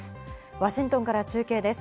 ワシントンから中継です。